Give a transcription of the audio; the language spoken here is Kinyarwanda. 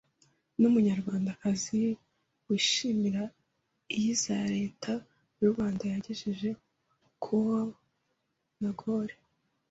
n’Umunyarwandakazi wishimira iyiza Leta y’u Rwanda yagejeje ku akowa n’agore